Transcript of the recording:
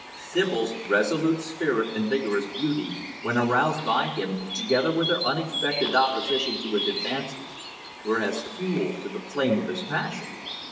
Sibyl's resolute spirit, and vigorous beauty, when aroused by him, together with her unexpected opposition to his advances, were as fuel to the flame of his passion.